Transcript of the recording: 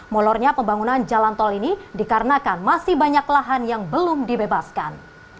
molornya pembangunan jalan tol ini dikarenakan masih banyak lahan yang belum dibebaskan